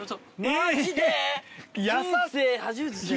マジで。